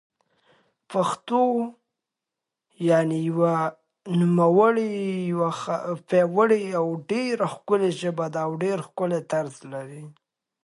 ازادي راډیو د ورزش په اړه د سیاستوالو دریځ بیان کړی.